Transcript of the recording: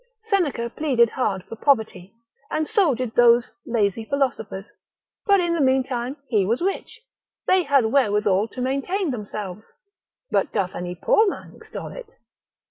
Seneca pleadeth hard for poverty, and so did those lazy philosophers: but in the meantime he was rich, they had wherewithal to maintain themselves; but doth any poor man extol it?